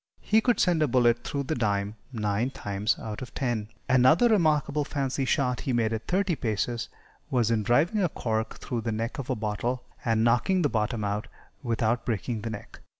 He could send a bullet through the dime nine times out of ten. Another remarkable fancy shot he made at thirty paces was in driving a cork through the neck of a bottle, and knocking the bottom out without breaking the neck.